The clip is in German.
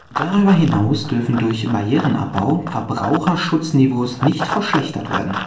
Darüber hinaus dürfen durch Barrierenabbau Verbraucherschutzniveaus nicht verschlechtert werden.